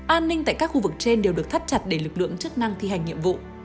an ninh tại các khu vực trên đều được thắt chặt để lực lượng chức năng thi hành nhiệm vụ